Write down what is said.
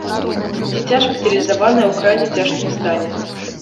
Дзіця шпіталізаванае ў крайне цяжкім стане.